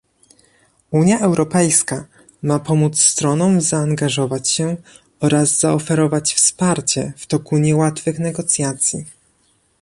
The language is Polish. Unia Europejska ma pomóc stronom zaangażować się oraz zaoferować wsparcie w toku niełatwych negocjacji